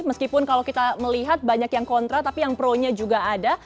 meskipun kalau kita melihat banyak yang kontra tapi yang pro nya juga ada